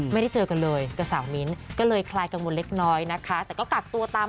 ไม่ได้เจอกันเลยกับสาวมิ้นก็เลยคลายกังวลเล็กน้อยนะคะแต่ก็กักตัวตาม